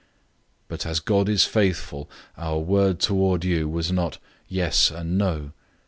001:018 But as God is faithful, our word toward you was not "Yes and no."